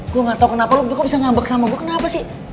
gue gak tau kenapa lo juga bisa ngambak sama gue kenapa sih